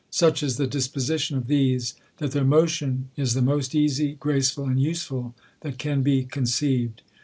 Such is the disposition of these, that their motion is the most easy, graceful, and useful, that can be conceived.